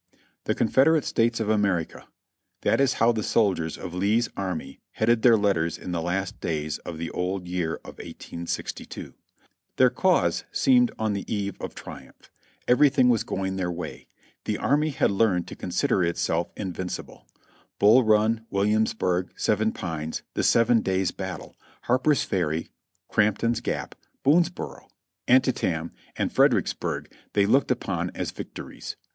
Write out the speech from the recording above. "The Confederate States of America," That is how the sol diers of Lee's army headed their letters in the last days of the old year of 1862. Their cause seemed on the eve of triumph; everything was going their way; the army had learned to con sider itself invincible ; Bull Run, Williamsburg, Seven Pines, The Seven Days' Battles, Harper's Ferry, Crampton's Gap. Boons boro, Antietam, and Fredericksburg they looked upon as victor ies.